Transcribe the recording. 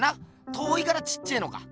遠いからちっちぇのか。